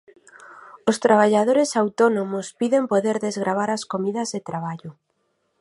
Os traballadores autónomos piden poder desgravar as comidas de traballo.